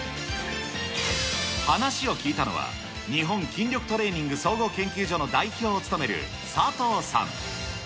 話を聞いたのは、日本筋力トレーニング総合研究所の代表を務める、佐藤さん。